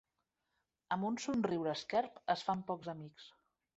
Amb un somriure esquerp es fan pocs amics.